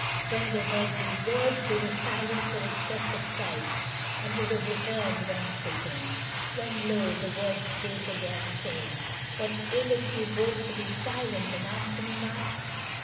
When they heard these words they were silent for excess of fright and would have returned whence they came; when lo! the voice spake again saying, "What aileth you both to be silent and answer me not?"